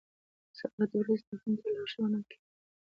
• ساعت د ورځې تقسیم ته لارښوونه کوي.